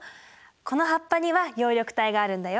この葉っぱには葉緑体があるんだよ。